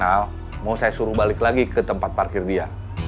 mau saya suruh balik lagi ke tempat parkir dia